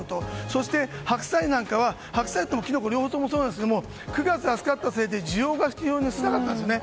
そして白菜なんかは白菜とキノコ両方ともそうなんですが９月厚かったせいで需要が非常に少なかったんですね。